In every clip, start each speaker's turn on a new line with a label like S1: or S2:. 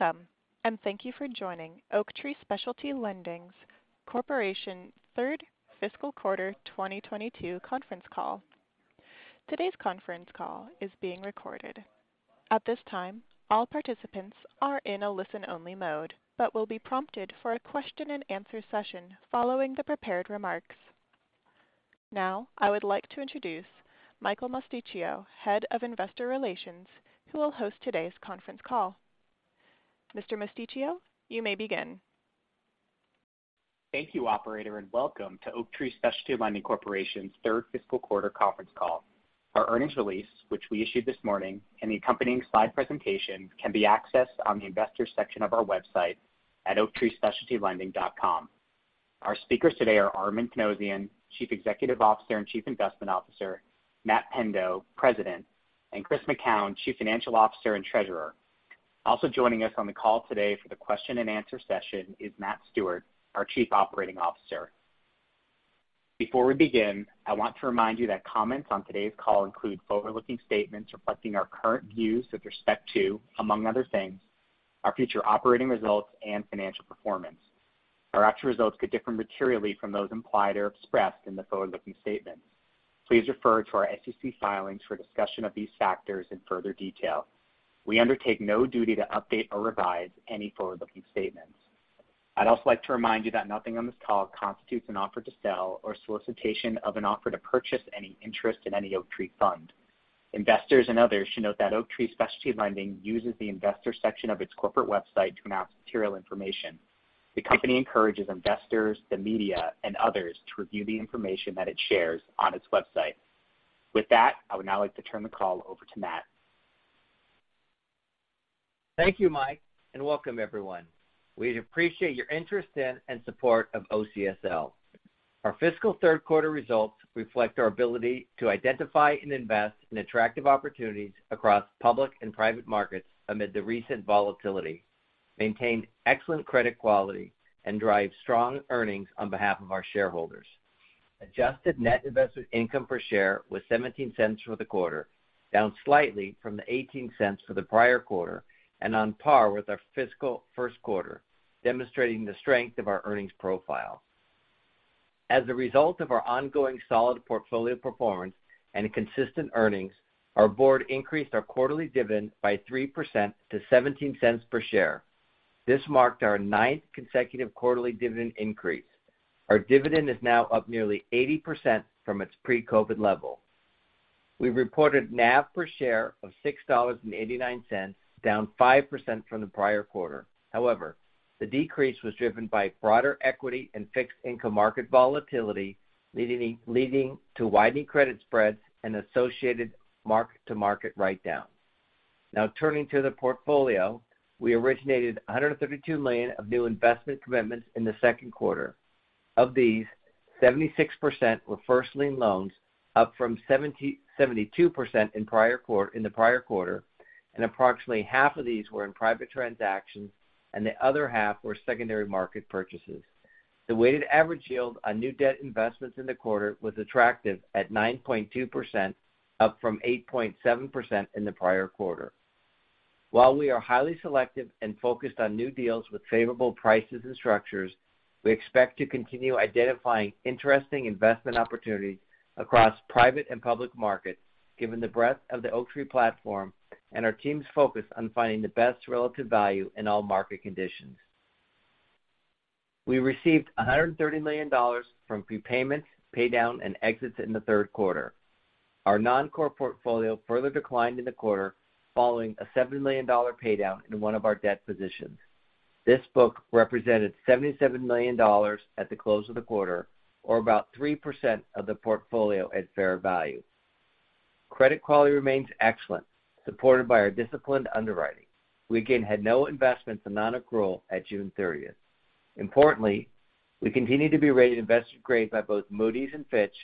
S1: Welcome, and thank you for joining Oaktree Specialty Lending Corporation's Third Fiscal Quarter 2022 Conference Call. Today's conference call is being recorded. At this time, all participants are in a listen-only mode, but will be prompted for a question and answer session following the prepared remarks. Now, I would like to introduce Michael Mosticchio, Head of Investor Relations, who will host today's conference call. Mr. Mosticchio, you may begin.
S2: Thank you, operator, and welcome to Oaktree Specialty Lending Corporation's Third Fiscal Quarter Conference Call. Our earnings release, which we issued this morning, and the accompanying slide presentation can be accessed on the investors section of our website at oaktreespecialtylending.com. Our speakers today are Armen Panossian, Chief Executive Officer and Chief Investment Officer, Matt Pendo, President, and Chris McKown, Chief Financial Officer and Treasurer. Also joining us on the call today for the question and answer session is Matt Stewart, our Chief Operating Officer. Before we begin, I want to remind you that comments on today's call include forward-looking statements reflecting our current views with respect to, among other things, our future operating results and financial performance. Our actual results could differ materially from those implied or expressed in the forward-looking statements. Please refer to our SEC filings for a discussion of these factors in further detail. We undertake no duty to update or revise any forward-looking statements. I'd also like to remind you that nothing on this call constitutes an offer to sell or solicitation of an offer to purchase any interest in any Oaktree fund. Investors and others should note that Oaktree Specialty Lending uses the Investor section of its corporate website to announce material information. The company encourages investors, the media, and others to review the information that it shares on its website. With that, I would now like to turn the call over to Matt.
S3: Thank you, Mike, and welcome everyone. We appreciate your interest in and support of OCSL. Our fiscal third quarter results reflect our ability to identify and invest in attractive opportunities across public and private markets amid the recent volatility, maintained excellent credit quality, and drive strong earnings on behalf of our shareholders. Adjusted net investment income per share was $0.17 for the quarter, down slightly from the $0.18 for the prior quarter and on par with our fiscal first quarter, demonstrating the strength of our earnings profile. As a result of our ongoing solid portfolio performance and consistent earnings, our board increased our quarterly dividend by 3% to $0.17 per share. This marked our ninth consecutive quarterly dividend increase. Our dividend is now up nearly 80% from its pre-COVID level. We reported NAV per share of $6.89, down 5% from the prior quarter. However, the decrease was driven by broader equity and fixed income market volatility, leading to widening credit spreads and associated mark-to-market writedowns. Now turning to the portfolio, we originated $152 million of new investment commitments in the second quarter. Of these, 76% were first lien loans, up from 72% in the prior quarter, and approximately half of these were in private transactions and the other half were secondary market purchases. The weighted average yield on new debt investments in the quarter was attractive at 9.2%, up from 8.7% in the prior quarter. While we are highly selective and focused on new deals with favorable prices and structures, we expect to continue identifying interesting investment opportunities across private and public markets, given the breadth of the Oaktree platform and our team's focus on finding the best relative value in all market conditions. We received $130 million from prepayments, pay down, and exits in the third quarter. Our non-core portfolio further declined in the quarter, following a $70 million pay down in one of our debt positions. This book represented $77 million at the close of the quarter, or about 3% of the portfolio at fair value. Credit quality remains excellent, supported by our disciplined underwriting. We again had no investments on non-accrual at June 30th. Importantly, we continue to be rated investment grade by both Moody's and Fitch,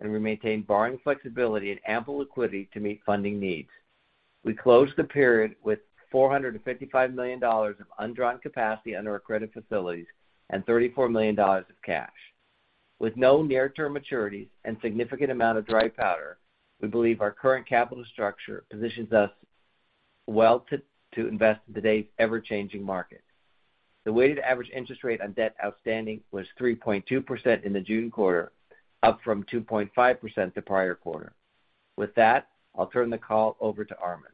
S3: and we maintain borrowing flexibility and ample liquidity to meet funding needs. We closed the period with $455 million of undrawn capacity under our credit facilities and $34 million of cash. With no near-term maturities and significant amount of dry powder, we believe our current capital structure positions us well to invest in today's ever-changing market. The weighted average interest rate on debt outstanding was 3.2% in the June quarter, up from 2.5% the prior quarter. With that, I'll turn the call over to Armen.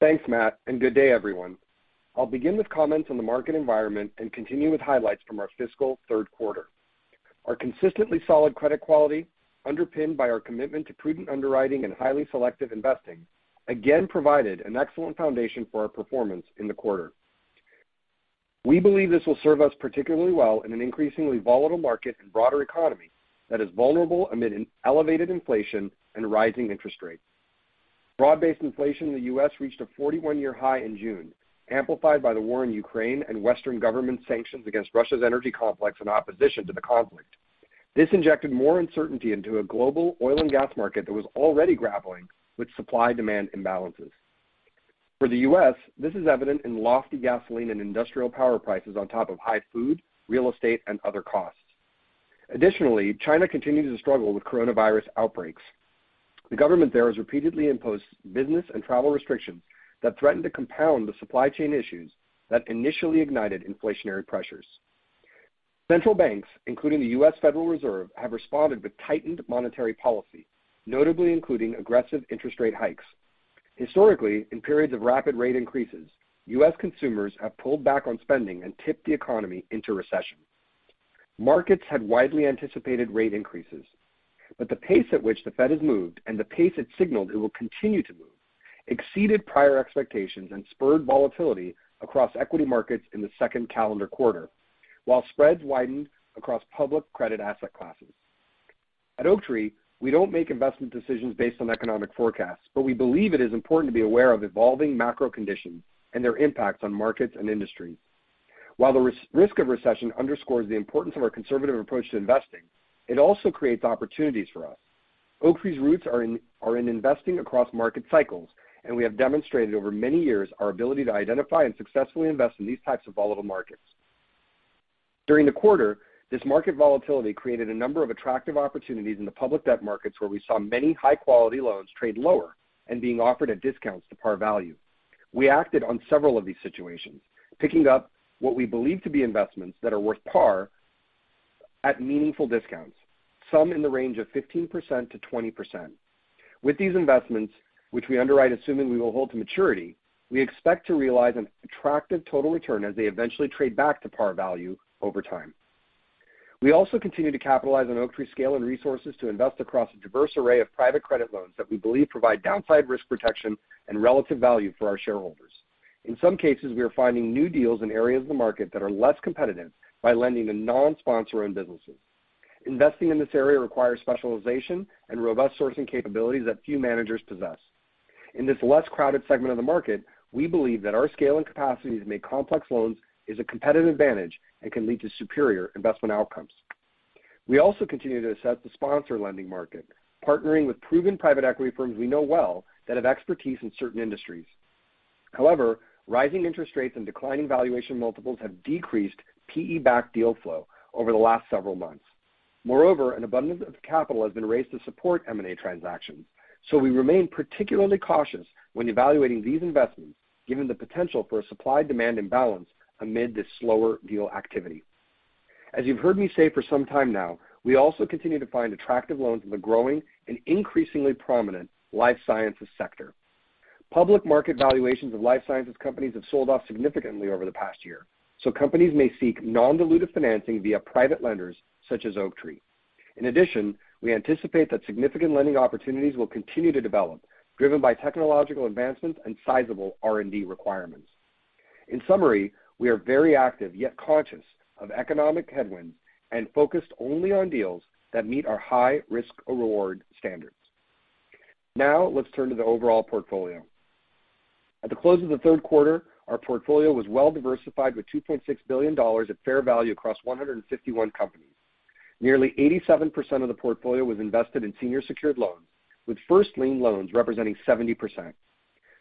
S4: Thanks, Matt, and good day, everyone. I'll begin with comments on the market environment and continue with highlights from our fiscal third quarter. Our consistently solid credit quality, underpinned by our commitment to prudent underwriting and highly selective investing, again provided an excellent foundation for our performance in the quarter. We believe this will serve us particularly well in an increasingly volatile market and broader economy that is vulnerable amid an elevated inflation and rising interest rates. Broad-based inflation in the U.S. reached a 41-year high in June, amplified by the war in Ukraine and Western government sanctions against Russia's energy complex and opposition to the conflict. This injected more uncertainty into a global oil and gas market that was already grappling with supply-demand imbalances. For the U.S., this is evident in lofty gasoline and industrial power prices on top of high food, real estate, and other costs. Additionally, China continues to struggle with coronavirus outbreaks. The government there has repeatedly imposed business and travel restrictions that threaten to compound the supply chain issues that initially ignited inflationary pressures. Central banks, including the U.S. Federal Reserve, have responded with tightened monetary policy, notably including aggressive interest rate hikes. Historically, in periods of rapid rate increases, U.S. consumers have pulled back on spending and tipped the economy into recession. Markets had widely anticipated rate increases, but the pace at which the Fed has moved and the pace it signaled it will continue to move exceeded prior expectations and spurred volatility across equity markets in the second calendar quarter while spreads widened across public credit asset classes. At Oaktree, we don't make investment decisions based on economic forecasts, but we believe it is important to be aware of evolving macro conditions and their impacts on markets and industries. While the risk of recession underscores the importance of our conservative approach to investing, it also creates opportunities for us. Oaktree's roots are in investing across market cycles, and we have demonstrated over many years our ability to identify and successfully invest in these types of volatile markets. During the quarter, this market volatility created a number of attractive opportunities in the public debt markets where we saw many high-quality loans trade lower and being offered at discounts to par value. We acted on several of these situations, picking up what we believe to be investments that are worth par at meaningful discounts, some in the range of 15%-20%. With these investments, which we underwrite assuming we will hold to maturity, we expect to realize an attractive total return as they eventually trade back to par value over time. We also continue to capitalize on Oaktree's scale and resources to invest across a diverse array of private credit loans that we believe provide downside risk protection and relative value for our shareholders. In some cases, we are finding new deals in areas of the market that are less competitive by lending to non-sponsor-owned businesses. Investing in this area requires specialization and robust sourcing capabilities that few managers possess. In this less crowded segment of the market, we believe that our scale and capacity to make complex loans is a competitive advantage and can lead to superior investment outcomes. We also continue to assess the sponsor lending market, partnering with proven private equity firms we know well that have expertise in certain industries. However, rising interest rates and declining valuation multiples have decreased PE-backed deal flow over the last several months. Moreover, an abundance of capital has been raised to support M&A transactions, so we remain particularly cautious when evaluating these investments given the potential for a supply-demand imbalance amid this slower deal activity. As you've heard me say for some time now, we also continue to find attractive loans in the growing and increasingly prominent life sciences sector. Public market valuations of life sciences companies have sold off significantly over the past year, so companies may seek non-dilutive financing via private lenders such as Oaktree. In addition, we anticipate that significant lending opportunities will continue to develop, driven by technological advancements and sizable R&D requirements. In summary, we are very active, yet conscious of economic headwinds and focused only on deals that meet our high risk-reward standards. Now, let's turn to the overall portfolio. At the close of the third quarter, our portfolio was well-diversified with $2.6 billion at fair value across 151 companies. Nearly 87% of the portfolio was invested in senior secured loans, with first lien loans representing 70%.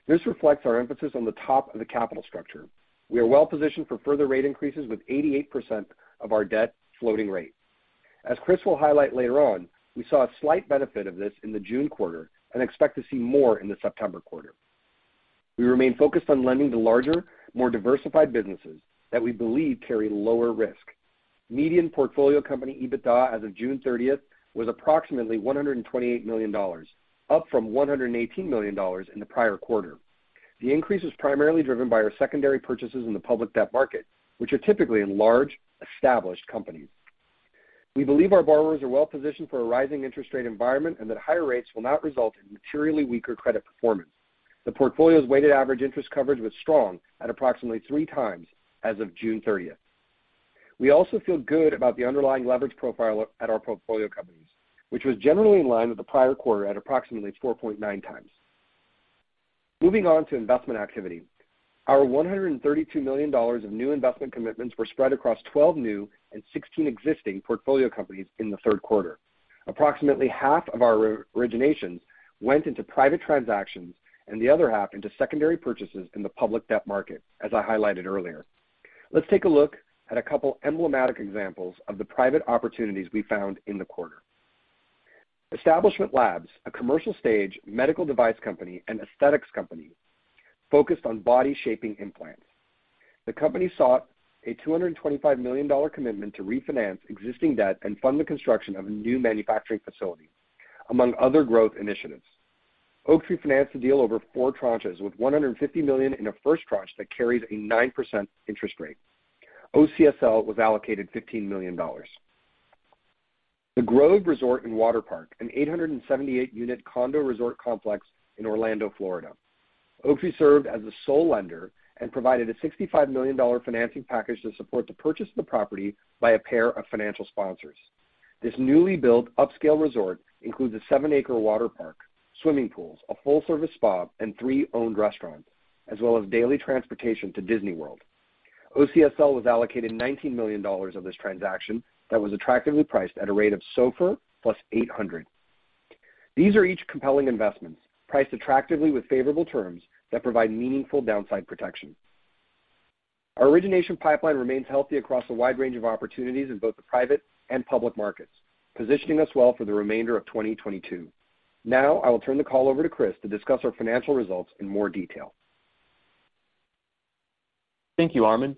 S4: This reflects our emphasis on the top of the capital structure. We are well-positioned for further rate increases with 88% of our debt floating rate. As Chris will highlight later on, we saw a slight benefit of this in the June quarter and expect to see more in the September quarter. We remain focused on lending to larger, more diversified businesses that we believe carry lower risk. Median portfolio company EBITDA as of June 30th was approximately $128 million, up from $118 million in the prior quarter. The increase is primarily driven by our secondary purchases in the public debt market, which are typically in large, established companies. We believe our borrowers are well-positioned for a rising interest rate environment, and that higher rates will not result in materially weaker credit performance. The portfolio's weighted average interest coverage was strong at approximately 3x as of June 30th. We also feel good about the underlying leverage profile at our portfolio companies, which was generally in line with the prior quarter at approximately 4.9x. Moving on to investment activity. Our $132 million of new investment commitments were spread across 12 new and 16 existing portfolio companies in the third quarter. Approximately half of our re-originations went into private transactions and the other half into secondary purchases in the public debt market, as I highlighted earlier. Let's take a look at a couple emblematic examples of the private opportunities we found in the quarter. Establishment Labs, a commercial stage medical device company and aesthetics company focused on body shaping implants. The company sought a $225 million commitment to refinance existing debt and fund the construction of a new manufacturing facility, among other growth initiatives. Oaktree financed the deal over four tranches, with $150 million in a first tranche that carries a 9% interest rate. OCSL was allocated $15 million. The Grove Resort & Water Park Orlando, an 878-unit condo resort complex in Orlando, Florida. Oaktree served as the sole lender and provided a $65 million financing package to support the purchase of the property by a pair of financial sponsors. This newly built upscale resort includes seven-acre water park, swimming pools, a full-service spa, and three-owned restaurants, as well as daily transportation to Disney World. OCSL was allocated $19 million of this transaction that was attractively priced at a rate of SOFR plus 800. These are each compelling investments, priced attractively with favorable terms that provide meaningful downside protection.
S3: Our origination pipeline remains healthy across a wide range of opportunities in both the private and public markets, positioning us well for the remainder of 2022. Now I will turn the call over to Chris to discuss our financial results in more detail.
S5: Thank you, Armen.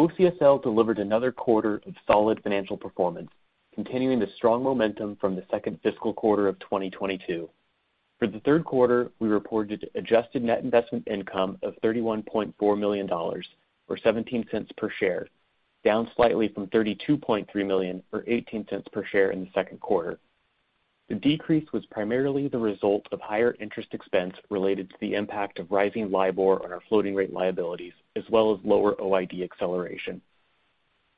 S5: OCSL delivered another quarter of solid financial performance, continuing the strong momentum from the second fiscal quarter of 2022. For the third quarter, we reported adjusted net investment income of $31.4 million, or $0.17 per share, down slightly from $32.3 million, or $0.18 per share in the second quarter. The decrease was primarily the result of higher interest expense related to the impact of rising LIBOR on our floating rate liabilities, as well as lower OID acceleration.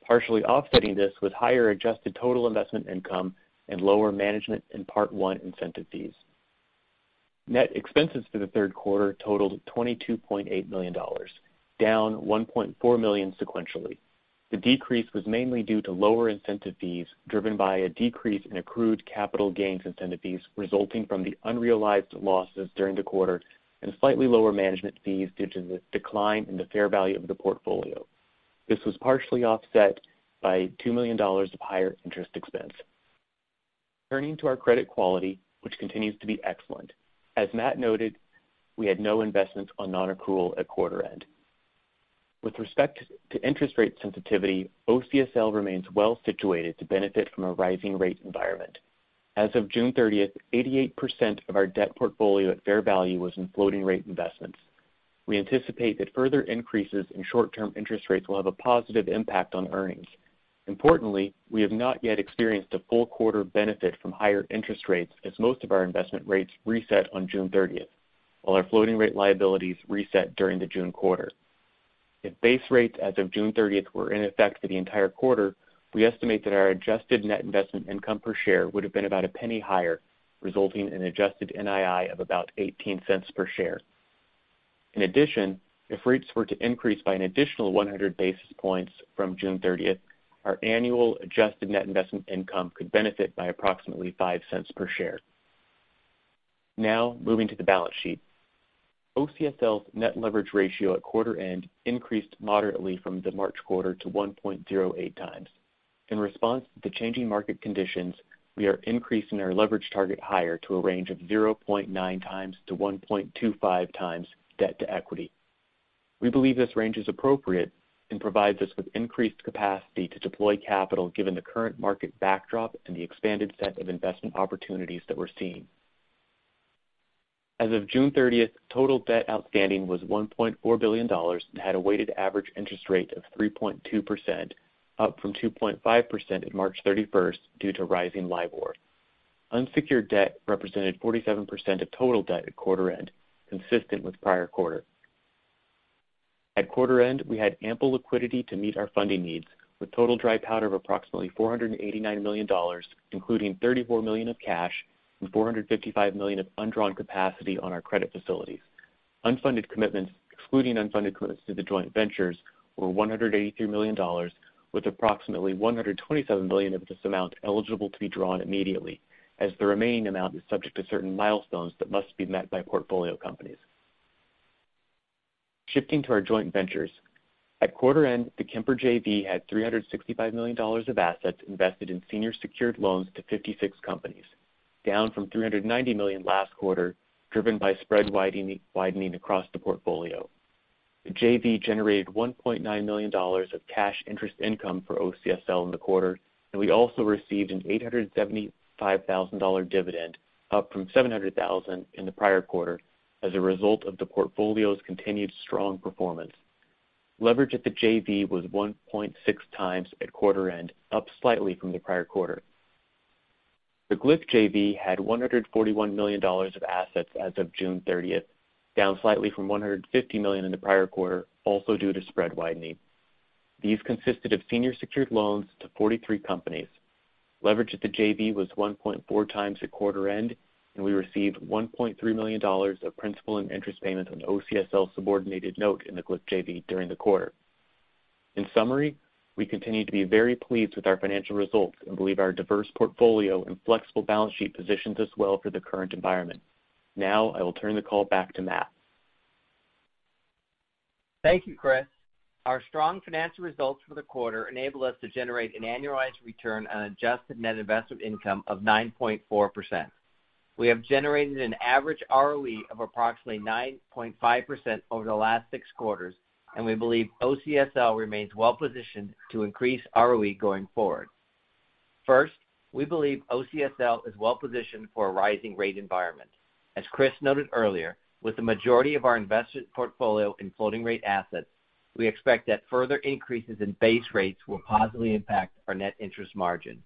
S5: Partially offsetting this was higher adjusted total investment income and lower management and Part I incentive fees. Net expenses for the third quarter totaled $22.8 million, down $1.4 million sequentially. The decrease was mainly due to lower incentive fees, driven by a decrease in accrued capital gains incentive fees resulting from the unrealized losses during the quarter and slightly lower management fees due to the decline in the fair value of the portfolio. This was partially offset by $2 million of higher interest expense. Turning to our credit quality, which continues to be excellent. As Matt noted, we had no investments on non-accrual at quarter end. With respect to interest rate sensitivity, OCSL remains well situated to benefit from a rising rate environment. As of June 30th, 88% of our debt portfolio at fair value was in floating rate investments. We anticipate that further increases in short-term interest rates will have a positive impact on earnings. Importantly, we have not yet experienced a full quarter benefit from higher interest rates as most of our investment rates reset on June 30th, while our floating rate liabilities reset during the June quarter. If base rates as of June 30th were in effect for the entire quarter, we estimate that our adjusted net investment income per share would have been about $0.01 higher, resulting in adjusted NII of about $0.18 per share. In addition, if rates were to increase by an additional 100 basis points from June 30th, our annual adjusted net investment income could benefit by approximately $0.05 per share. Now moving to the balance sheet. OCSL's net leverage ratio at quarter end increased moderately from the March quarter to 1.08x. In response to changing market conditions, we are increasing our leverage target higher to a range of 0.9x-1.25x debt to equity. We believe this range is appropriate and provides us with increased capacity to deploy capital given the current market backdrop and the expanded set of investment opportunities that we're seeing. As of June 30th, total debt outstanding was $1.4 billion and had a weighted average interest rate of 3.2%, up from 2.5% at March 31st due to rising LIBOR. Unsecured debt represented 47% of total debt at quarter end, consistent with prior quarter. At quarter end, we had ample liquidity to meet our funding needs with total dry powder of approximately $489 million, including $34 million of cash and $455 million of undrawn capacity on our credit facilities. Unfunded commitments, excluding unfunded commitments to the joint ventures, were $183 million, with approximately $127 million of this amount eligible to be drawn immediately as the remaining amount is subject to certain milestones that must be met by portfolio companies. Shifting to our joint ventures. At quarter end, the Kemper JV had $365 million of assets invested in senior secured loans to 56 companies, down from $390 million last quarter, driven by spread widening across the portfolio. The JV generated $1.9 million of cash interest income for OCSL in the quarter, and we also received an $875,000 dividend, up from $700,000 in the prior quarter as a result of the portfolio's continued strong performance. Leverage at the JV was 1.6x at quarter end, up slightly from the prior quarter. The GLF JV had $141 million of assets as of June 30th, down slightly from $150 million in the prior quarter, also due to spread widening. These consisted of senior secured loans to 43 companies. Leverage at the JV was 1.4x at quarter end, and we received $1.3 million of principal and interest payment on OCSL subordinated note in the GLF JV during the quarter. In summary, we continue to be very pleased with our financial results and believe our diverse portfolio and flexible balance sheet positions us well for the current environment. Now I will turn the call back to Matt.
S3: Thank you, Chris. Our strong financial results for the quarter enable us to generate an annualized return on adjusted net investment income of 9.4%. We have generated an average ROE of approximately 9.5% over the last six quarters, and we believe OCSL remains well-positioned to increase ROE going forward. First, we believe OCSL is well-positioned for a rising rate environment. As Chris noted earlier, with the majority of our investment portfolio in floating rate assets, we expect that further increases in base rates will positively impact our net interest margin.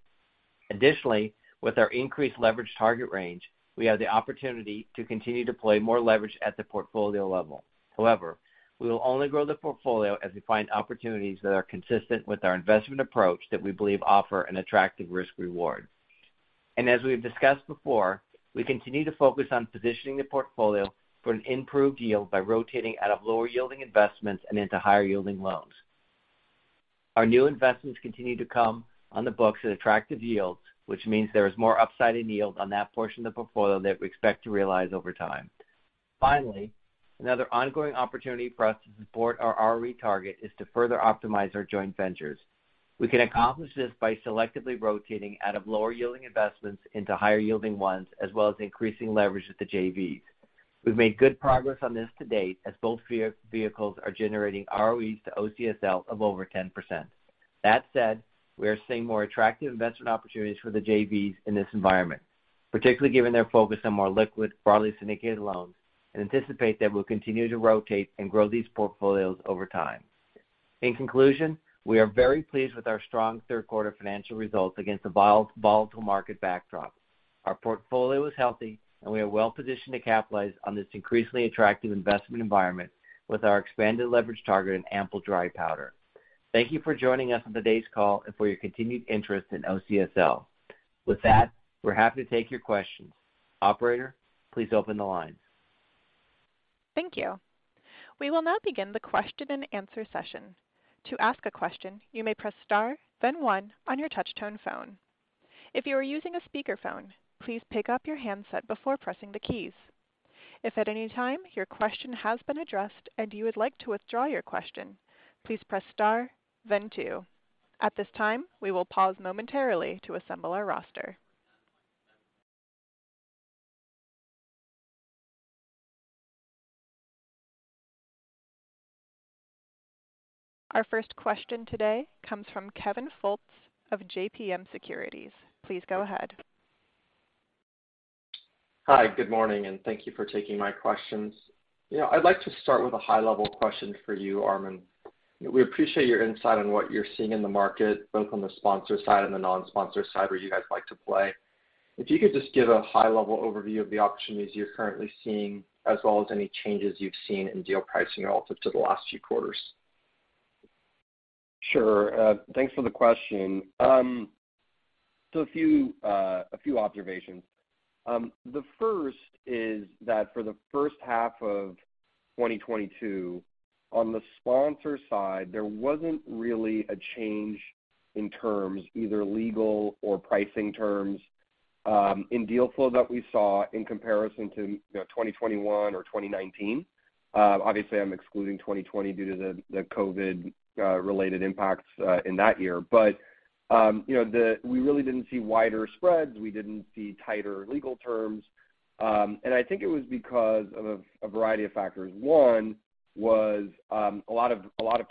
S3: Additionally, with our increased leverage target range, we have the opportunity to continue to apply more leverage at the portfolio level. However, we will only grow the portfolio as we find opportunities that are consistent with our investment approach that we believe offer an attractive risk reward. As we've discussed before, we continue to focus on positioning the portfolio for an improved yield by rotating out of lower yielding investments and into higher yielding loans. Our new investments continue to come on the books at attractive yields, which means there is more upside in yield on that portion of the portfolio that we expect to realize over time. Finally, another ongoing opportunity for us to support our ROE target is to further optimize our joint ventures. We can accomplish this by selectively rotating out of lower-yielding investments into higher-yielding ones, as well as increasing leverage at the JVs. We've made good progress on this to date, as both vehicles are generating ROEs to OCSL of over 10%. That said, we are seeing more attractive investment opportunities for the JVs in this environment, particularly given their focus on more liquid, broadly syndicated loans, and anticipate that we'll continue to rotate and grow these portfolios over time. In conclusion, we are very pleased with our strong third quarter financial results against a volatile market backdrop. Our portfolio is healthy, and we are well-positioned to capitalize on this increasingly attractive investment environment with our expanded leverage target and ample dry powder. Thank you for joining us on today's call and for your continued interest in OCSL. With that, we're happy to take your questions. Operator, please open the line.
S1: Thank you. We will now begin the question and answer session. To ask a question, you may press star, then one on your touch-tone phone. If you are using a speakerphone, please pick up your handset before pressing the keys. If at any time your question has been addressed and you would like to withdraw your question, please press star then two. At this time, we will pause momentarily to assemble our roster. Our first question today comes from Kevin Fultz of JMP Securities. Please go ahead.
S6: Hi, good morning, and thank you for taking my questions. You know, I'd like to start with a high-level question for you, Armen. We appreciate your insight on what you're seeing in the market, both on the sponsor side and the non-sponsor side, where you guys like to play. If you could just give a high-level overview of the opportunities you're currently seeing, as well as any changes you've seen in deal pricing relative to the last few quarters.
S4: Sure. Thanks for the question. So a few observations. The first is that for the first half of 2022, on the sponsor side, there wasn't really a change in terms, either legal or pricing terms, in deal flow that we saw in comparison to, you know, 2021 or 2019. Obviously I'm excluding 2020 due to the COVID related impacts in that year. You know, we really didn't see wider spreads. We didn't see tighter legal terms. I think it was because of a variety of factors. One was a lot of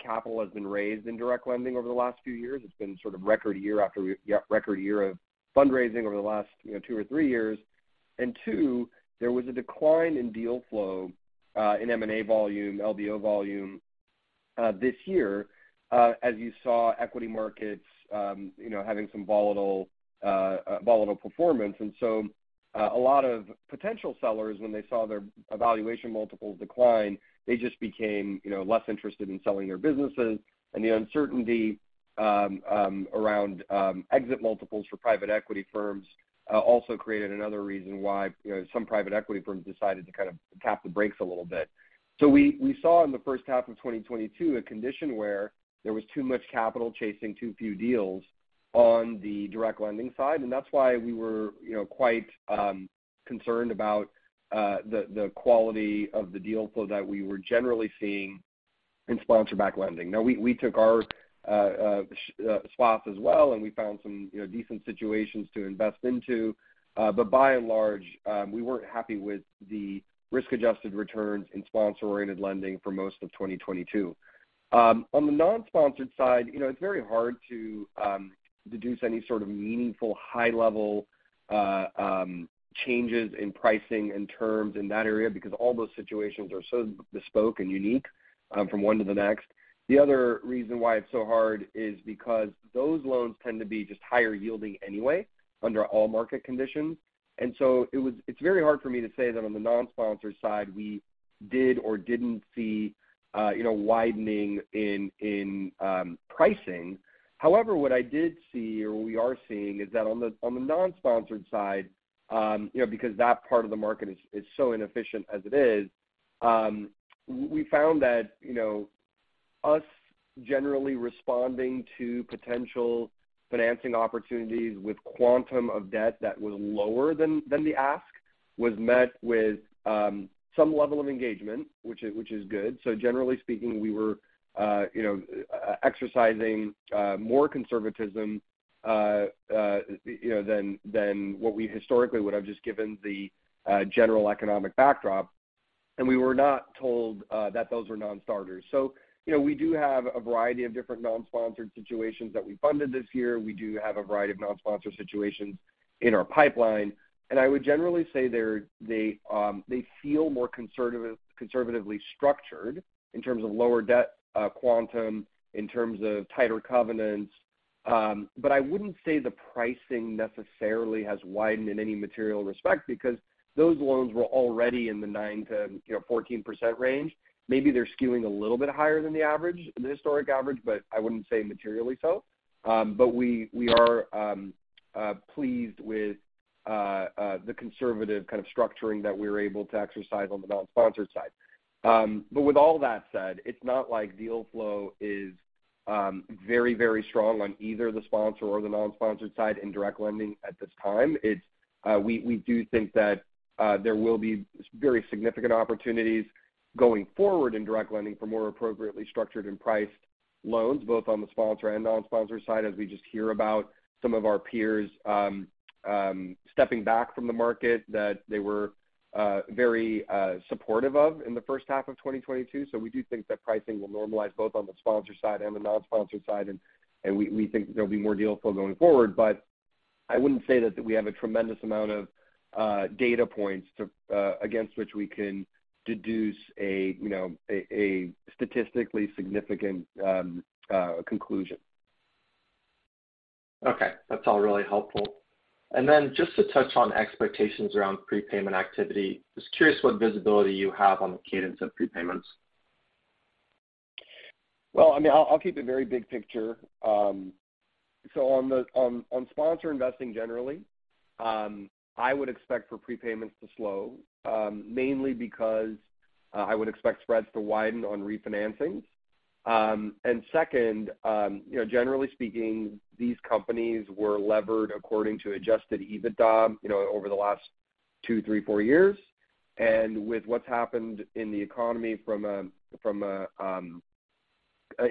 S4: capital has been raised in direct lending over the last few years. It's been sort of record year after record year of fundraising over the last, you know, two or three years. Two, there was a decline in deal flow in M&A volume, LBO volume this year, as you saw equity markets you know having some volatile performance. A lot of potential sellers, when they saw their valuation multiples decline, they just became you know less interested in selling their businesses. The uncertainty around exit multiples for private equity firms also created another reason why you know some private equity firms decided to kind of tap the brakes a little bit. We saw in the first half of 2022 a condition where there was too much capital chasing too few deals on the direct lending side. That's why we were you know quite concerned about the quality of the deal flow that we were generally seeing in sponsor-backed lending. Now we took our spots as well, and we found some, you know, decent situations to invest into. By and large, we weren't happy with the risk-adjusted returns in sponsor-oriented lending for most of 2022. On the non-sponsored side, you know, it's very hard to deduce any sort of meaningful high-level changes in pricing and terms in that area because all those situations are so bespoke and unique from one to the next. The other reason why it's so hard is because those loans tend to be just higher yielding anyway under all market conditions. It's very hard for me to say that on the non-sponsor side, we did or didn't see, you know, widening in pricing. However, what I did see or we are seeing is that on the non-sponsored side, you know, because that part of the market is so inefficient as it is, we found that, you know, we generally responding to potential financing opportunities with quantum of debt that was lower than the ask was met with some level of engagement, which is good. Generally speaking, we were exercising more conservatism than what we historically would have, just given the general economic backdrop, and we were not told that those were non-starters. You know, we do have a variety of different non-sponsored situations that we funded this year. We do have a variety of non-sponsored situations in our pipeline. I would generally say they feel more conservative, conservatively structured in terms of lower debt quantum, in terms of tighter covenants. I wouldn't say the pricing necessarily has widened in any material respect because those loans were already in the 9%-14% range, you know. Maybe they're skewing a little bit higher than the average, the historic average, but I wouldn't say materially so. We are pleased with the conservative kind of structuring that we're able to exercise on the non-sponsored side. With all that said, it's not like deal flow is very strong on either the sponsor or the non-sponsored side in direct lending at this time. We do think that there will be very significant opportunities going forward in direct lending for more appropriately structured and priced loans, both on the sponsor and non-sponsor side, as we just hear about some of our peers stepping back from the market that they were very supportive of in the first half of 2022. We do think that pricing will normalize both on the sponsor side and the non-sponsor side. We think there'll be more deal flow going forward. I wouldn't say that we have a tremendous amount of data points to against which we can deduce a you know a statistically significant conclusion.
S6: Okay. That's all really helpful. Then just to touch on expectations around prepayment activity, just curious what visibility you have on the cadence of prepayments?
S4: Well, I mean, I'll keep it very big picture. So on sponsor investing generally, I would expect for prepayments to slow, mainly because I would expect spreads to widen on refinancings. And second, you know, generally speaking, these companies were levered according to adjusted EBITDA, you know, over the last two, three, four years. With what's happened in the economy from a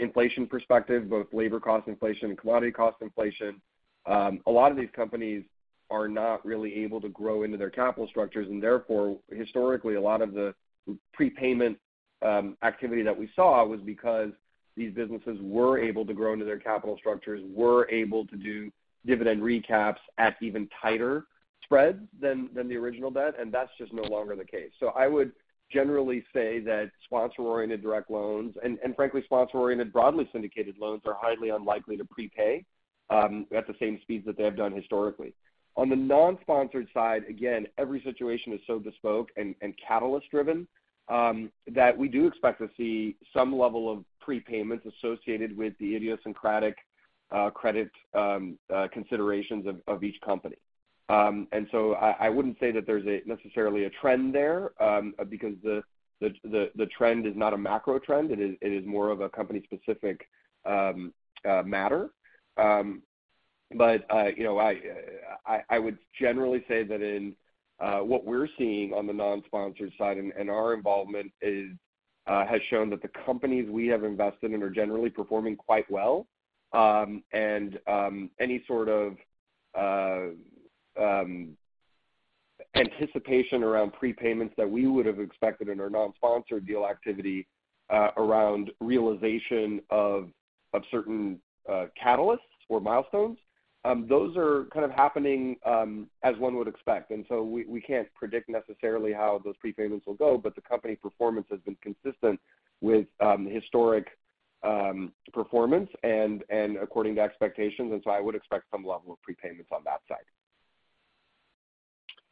S4: inflation perspective, both labor cost inflation and commodity cost inflation, a lot of these companies are not really able to grow into their capital structures. Therefore, historically, a lot of the prepayment activity that we saw was because these businesses were able to grow into their capital structures, were able to do dividend recaps at even tighter spreads than the original debt, and that's just no longer the case. I would generally say that sponsor-oriented direct loans, and frankly, sponsor-oriented broadly syndicated loans are highly unlikely to prepay at the same speeds that they have done historically. On the non-sponsored side, again, every situation is so bespoke and catalyst-driven that we do expect to see some level of prepayments associated with the idiosyncratic credit considerations of each company. I would generally say that in what we're seeing on the non-sponsored side and our involvement has shown that the companies we have invested in are generally performing quite well. Any sort of anticipation around prepayments that we would have expected in our non-sponsored deal activity around realization of certain catalysts or milestones. Those are kind of happening as one would expect. We can't predict necessarily how those prepayments will go, but the company performance has been consistent with historic performance and according to expectations. I would expect some level of prepayments on that side.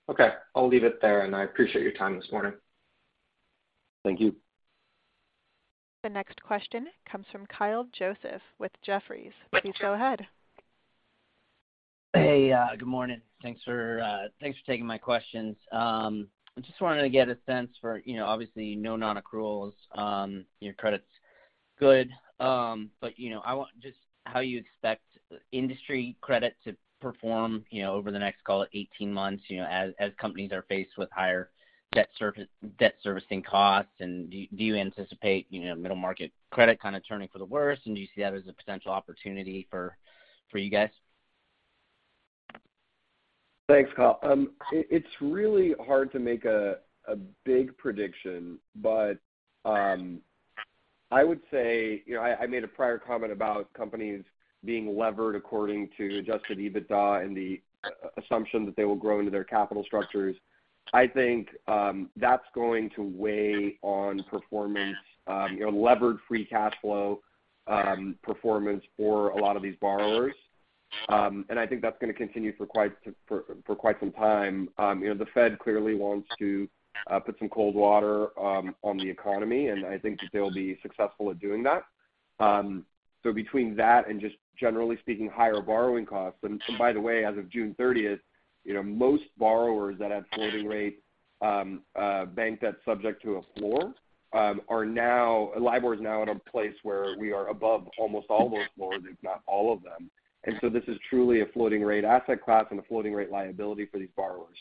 S6: Okay. I'll leave it there, and I appreciate your time this morning.
S4: Thank you.
S1: The next question comes from Kyle Joseph with Jefferies. Please go ahead.
S7: Hey, good morning. Thanks for taking my questions. I just wanted to get a sense for, you know, obviously, no non-accruals, your credit's good. You know, I want just how you expect industry credit to perform, you know, over the next, call it, 18 months, you know, as companies are faced with higher debt service, debt-servicing costs. Do you anticipate, you know, middle market credit kind of turning for the worse? Do you see that as a potential opportunity for you guys?
S4: Thanks, Kyle. It's really hard to make a big prediction, but I would say. You know, I made a prior comment about companies being levered according to adjusted EBITDA and the assumption that they will grow into their capital structures. I think that's going to weigh on performance, you know, levered free cash flow performance for a lot of these borrowers. I think that's gonna continue for quite some time. You know, the Fed clearly wants to put some cold water on the economy, and I think that they'll be successful at doing that. Between that and just generally speaking, higher borrowing costs, and by the way, as of June 30th, you know, most borrowers that have floating rate bank debt subject to a floor are now... LIBOR is now at a place where we are above almost all those floors, if not all of them. This is truly a floating rate asset class and a floating rate liability for these borrowers.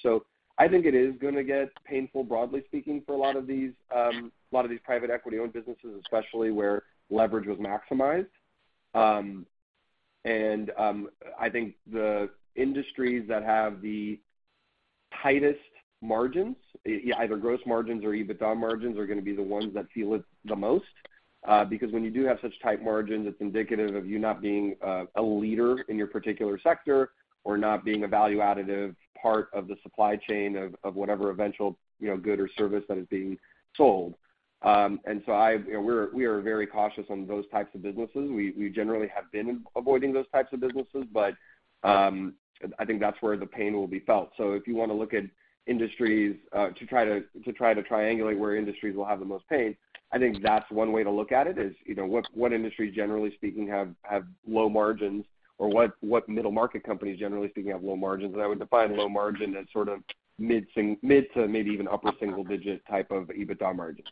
S4: I think it is gonna get painful, broadly speaking, for a lot of these private equity-owned businesses, especially where leverage was maximized. I think the industries that have the tightest margins, either gross margins or EBITDA margins, are gonna be the ones that feel it the most. Because when you do have such tight margins, it's indicative of you not being a leader in your particular sector or not being a value additive part of the supply chain of whatever eventual, you know, good or service that is being sold. You know, we are very cautious on those types of businesses. We generally have been avoiding those types of businesses, but I think that's where the pain will be felt. If you wanna look at industries, to try to triangulate where industries will have the most pain, I think that's one way to look at it, is you know, what industry, generally speaking, have low margins or what middle market companies, generally speaking, have low margins. I would define low margin as sort of mid to maybe even upper single digit type of EBITDA margins.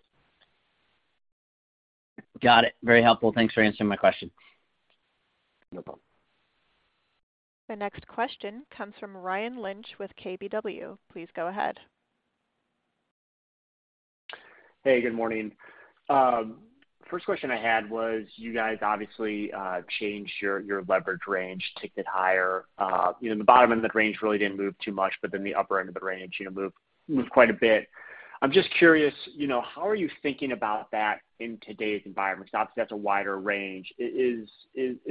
S7: Got it. Very helpful. Thanks for answering my question.
S4: No problem.
S1: The next question comes from Ryan Lynch with KBW. Please go ahead.
S8: Hey, good morning. First question I had was you guys obviously changed your leverage range, took it higher. You know, the bottom of the range really didn't move too much, but then the upper end of the range, you know, moved quite a bit. I'm just curious, you know, how are you thinking about that in today's environment? It's obvious that's a wider range. Is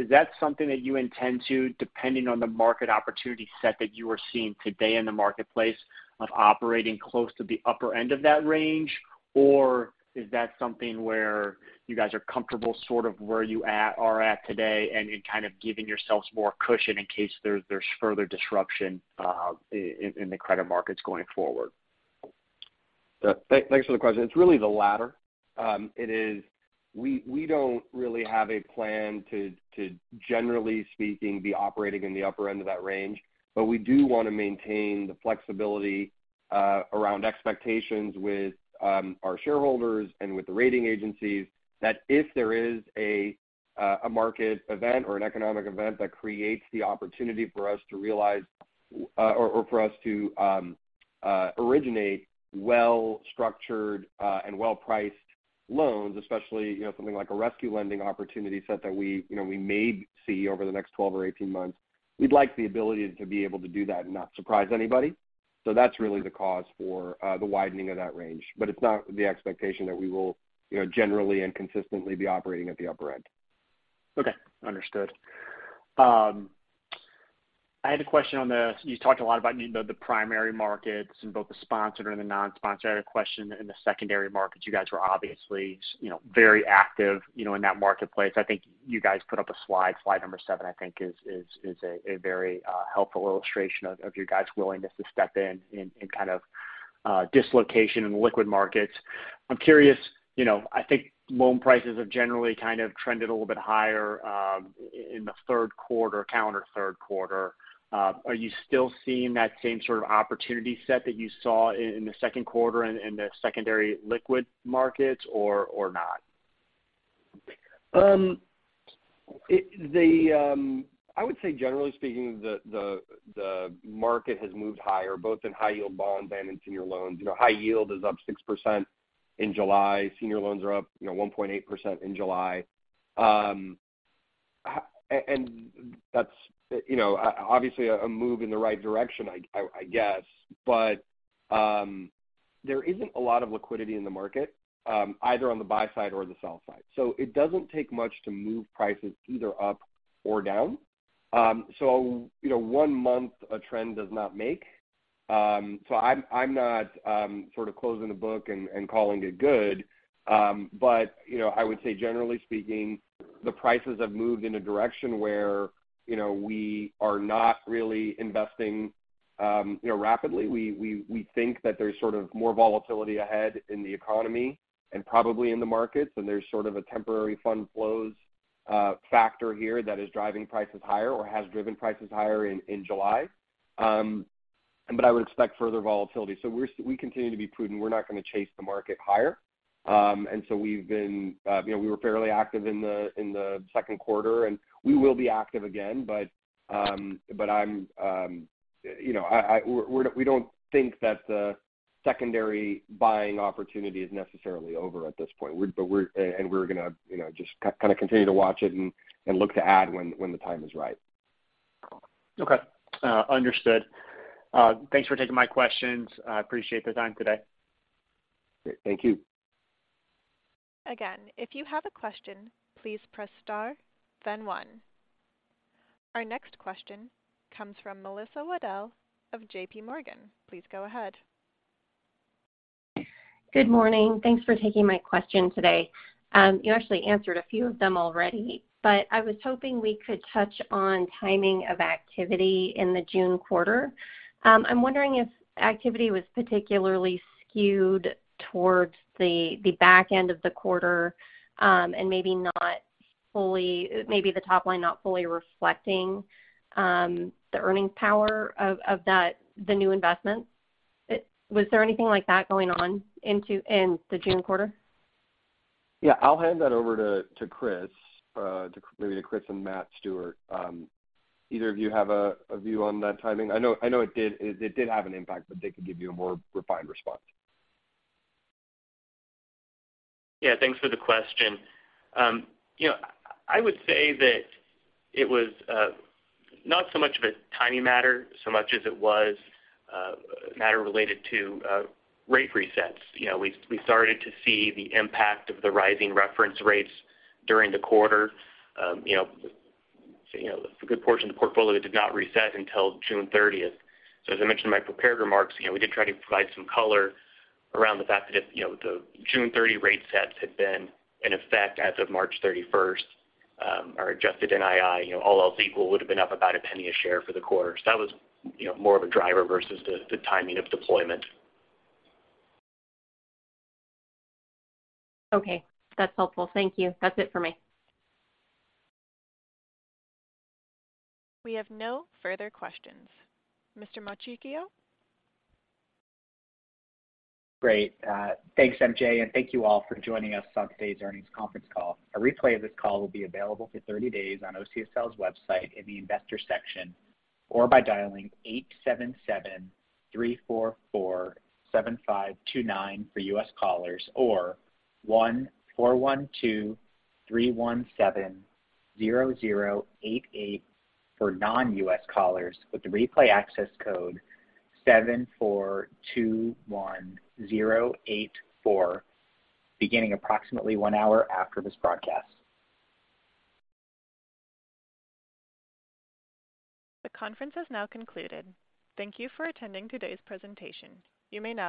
S8: that something that you intend to, depending on the market opportunity set that you are seeing today in the marketplace, of operating close to the upper end of that range? Or is that something where you guys are comfortable sort of where you are at today and kind of giving yourselves more cushion in case there's further disruption in the credit markets going forward?
S4: Thanks for the question. It's really the latter. We don't really have a plan to generally speaking be operating in the upper end of that range. We do wanna maintain the flexibility around expectations with our shareholders and with the rating agencies that if there is a market event or an economic event that creates the opportunity for us to realize or for us to originate well-structured and well-priced loans, especially, you know, something like a rescue lending opportunity set that we, you know, we may see over the next 12 or 18 months, we'd like the ability to be able to do that and not surprise anybody. That's really the cause for the widening of that range. It's not the expectation that we will, you know, generally and consistently be operating at the upper end.
S8: Okay, understood. I had a question on the you talked a lot about, you know, the primary markets in both the sponsored and the non-sponsored. I had a question in the secondary markets. You guys were obviously, you know, very active, you know, in that marketplace. I think you guys put up a slide number seven I think is a very helpful illustration of your guys' willingness to step in kind of dislocation in the liquid markets. I'm curious, you know, I think loan prices have generally kind of trended a little bit higher in the third quarter, calendar third quarter. Are you still seeing that same sort of opportunity set that you saw in the second quarter in the secondary liquid markets or not?
S4: I would say generally speaking, the market has moved higher, both in high yield bonds and in senior loans. You know, high yield is up 6% in July. Senior loans are up, you know, 1.8% in July. That's, you know, obviously a move in the right direction, I guess. There isn't a lot of liquidity in the market, either on the buy side or the sell side. It doesn't take much to move prices either up or down. You know, one month a trend does not make. I'm not sort of closing the book and calling it good. You know, I would say generally speaking, the prices have moved in a direction where, you know, we are not really investing, you know, rapidly. We think that there's sort of more volatility ahead in the economy and probably in the markets, and there's sort of a temporary fund flows factor here that is driving prices higher or has driven prices higher in July. I would expect further volatility. We continue to be prudent. We're not gonna chase the market higher. You know, we were fairly active in the second quarter, and we will be active again. We don't think that the secondary buying opportunity is necessarily over at this point. We're gonna, you know, just kind of continue to watch it and look to add when the time is right.
S8: Okay. Understood. Thanks for taking my questions. I appreciate the time today.
S4: Great. Thank you.
S1: Again, if you have a question, please press star then one. Our next question comes from Melissa Wedel of JP Morgan. Please go ahead.
S9: Good morning. Thanks for taking my question today. You actually answered a few of them already, but I was hoping we could touch on timing of activity in the June quarter. I'm wondering if activity was particularly skewed towards the back end of the quarter, and maybe the top line not fully reflecting the earning power of the new investments. Was there anything like that going on in the June quarter?
S4: Yeah. I'll hand that over to Chris, maybe to Chris and Matt Stewart. Either of you have a view on that timing? I know it did have an impact, but they could give you a more refined response.
S5: Yeah. Thanks for the question. You know, I would say that it was not so much of a timing matter, so much as it was a matter related to rate resets. You know, we started to see the impact of the rising reference rates during the quarter. You know, a good portion of the portfolio did not reset until June 30th. So as I mentioned in my prepared remarks, you know, we did try to provide some color around the fact that if the June 30 rate sets had been in effect as of March 31st, our adjusted NII, you know, all else equal, would've been up about a penny a share for the quarter. So that was, you know, more of a driver versus the timing of deployment.
S9: Okay. That's helpful. Thank you. That's it for me.
S1: We have no further questions. Mr. Mosticchio?
S2: Great. Thanks, MJ, and thank you all for joining us on today's earnings conference call. A replay of this call will be available for 30 days on OCSL's website in the Investor section, or by dialing 877-344-7529 for U.S. callers, or 1-412-317-0088 for non-U.S. callers, with the replay access code 742-1084, beginning approximately one hour after this broadcast.
S1: The conference has now concluded. Thank you for attending today's presentation. You may now disconnect.